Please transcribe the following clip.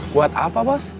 buat apa bos